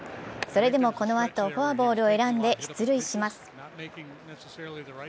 それでもこのあと、フォアボールを選んで出塁します。